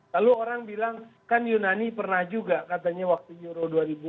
lalu orang bilang kan yunani pernah juga katanya waktu euro dua ribu